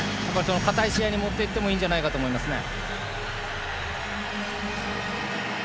堅い試合に持っていってもいいんじゃないですかね。